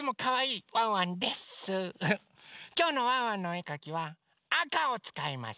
きょうのワンワンのおえかきはあかをつかいます。